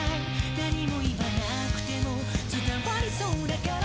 「何も言わなくても伝わりそうだから」